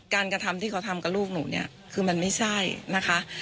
กระทำที่เขาทำกับลูกหนูเนี่ยคือมันไม่ใช่นะคะ